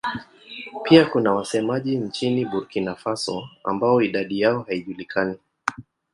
Pia kuna wasemaji nchini Burkina Faso ambao idadi yao haijulikani.